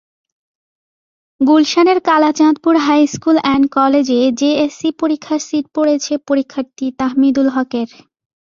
গুলশানের Kalachandpur high school and কলেজে JSC পরীক্ষার সিট পড়েছে পরীক্ষার্থী তাহমিদুল হকের।